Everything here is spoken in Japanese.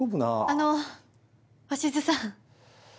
あの鷲津さん。